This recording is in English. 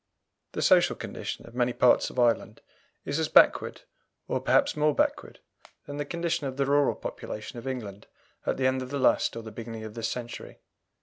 The social condition of many parts of Ireland is as backward, or perhaps more backward, than the condition of the rural population of England at the end of last or the beginning of this century.